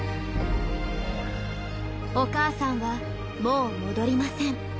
お母さんはもう戻りません。